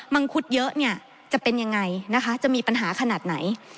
มังคุดเยอะจะเป็นยังไงจะมีปัญหาขนาดไหน